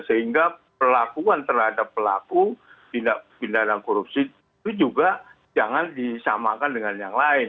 sehingga perlakuan terhadap pelaku tindak pidana korupsi itu juga jangan disamakan dengan yang lain